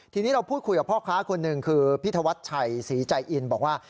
ทีนี้เราพูดคุยกับพ่อค้าคนหนึ่งคือพี่ธวัดชัยศรีใจอินบอกว่า